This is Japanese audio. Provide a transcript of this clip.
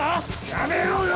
やめろよ！